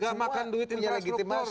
nggak makan duit infrastruktur